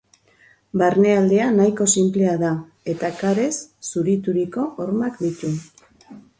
Barnealdea nahiko sinplea da eta karez zurituriko hormak ditu.